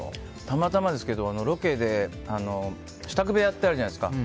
たまたまですけど、ロケで支度部屋ってあるじゃないですか。